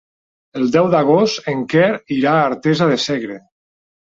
El deu d'agost en Quer irà a Artesa de Segre.